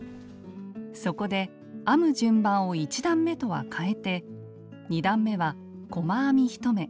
そこで編む順番を１段めとは変えて２段めは細編み１目。